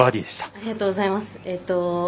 ありがとうございます。